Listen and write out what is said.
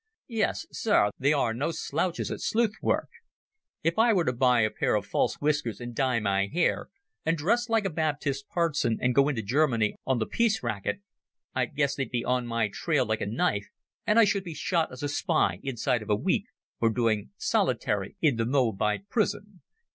Yes, Sir, they are no slouches at sleuth work. If I were to buy a pair of false whiskers and dye my hair and dress like a Baptist parson and go into Germany on the peace racket, I guess they'd be on my trail like a knife, and I should be shot as a spy inside of a week or doing solitary in the Moabite prison.